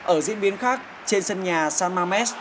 ở diễn biến khác trên sân nhà san mames